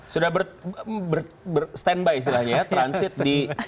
sudah berstand by istilahnya ya transit di